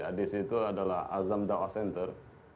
adis itu adalah azam dakwah center